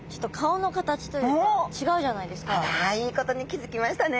あらいいことに気付きましたね。